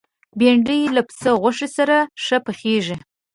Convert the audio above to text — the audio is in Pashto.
بېنډۍ له پسه غوښې سره ښه پخېږي